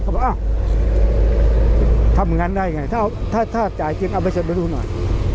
เขาบอกอ้าวทำงานได้ไงถ้าจ่ายจริงเอาไปเสร็จมาดูหน่อย